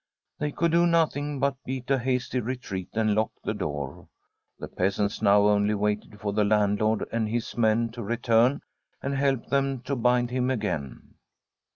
They could do nothing but beat a hasty re treat and lock the door. The peasants now only waited for the landlord and his men to return and help them to bind him again.